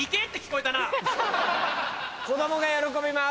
子供が喜びます。